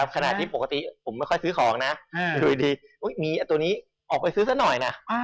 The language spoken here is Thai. ขณะที่ปกติผมไม่ค่อยซื้อของนะอยู่ดีมีตัวนี้ออกไปซื้อซะหน่อยนะ